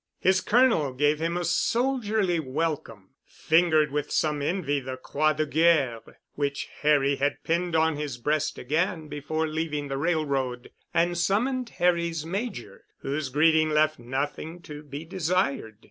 His Colonel gave him a soldierly welcome, fingered with some envy the Croix de Guerre, which Harry had pinned on his breast again before leaving the railroad, and summoned Harry's Major, whose greeting left nothing to be desired.